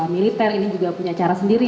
militer ini juga punya cara sendiri